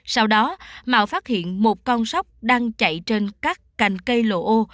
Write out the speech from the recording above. sau đó mạo phát hiện một con sóc đang chạy trên các cành cây lộ ô